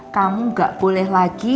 kamu gak boleh lagi